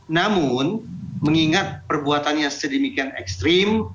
namun mengingat perbuatannya sedemikian ekstrim